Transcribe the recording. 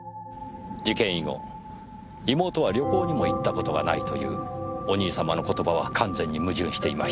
事件以後妹は旅行にも行った事がないというお兄様の言葉は完全に矛盾していました。